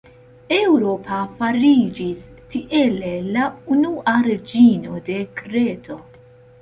Eŭropa fariĝis, tiele, la unua reĝino de Kreto.